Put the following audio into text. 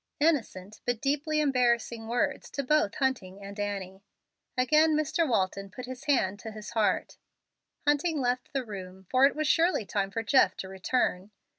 Innocent but deeply embarrassing words to both Hunting and Annie. Again Mr. Walton put his hand to his heart. Hunting left the room, for it was surely time for Jeff to return.